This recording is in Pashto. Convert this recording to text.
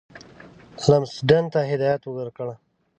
لمسډن ته هدایت ورکړ.